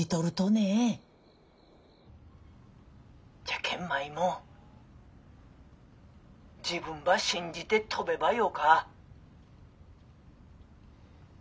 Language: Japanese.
じゃけん舞も自分ば信じて飛べばよか。